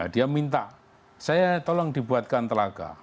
dia minta saya tolong dibuatkan telaga